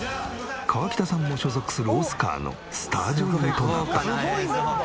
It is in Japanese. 河北さんも所属するオスカーのスター女優となった。